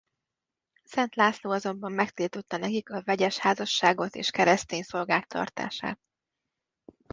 Szent László azonban megtiltotta nekik a vegyes házasságot és keresztény szolgák tartását.